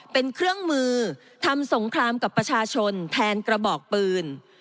เป็นเครื่องมือทำสงครามกับประชาชนแทนกระบอกปืน